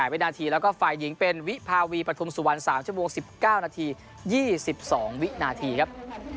วินาทีแล้วก็ฝ่ายหญิงเป็นวิภาวีปฐุมสุวรรณ๓ชั่วโมง๑๙นาที๒๒วินาทีครับ